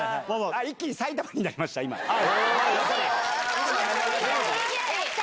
一気に埼玉になりました、よかった！